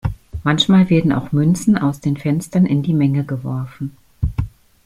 Manchmal werden auch Münzen aus den Fenstern in die Menge geworfen.